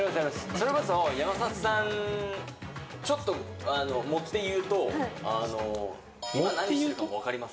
それこそ山里さん、ちょっと、もっていうと、今、何してるかも分かります。